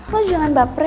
lo jangan baper ya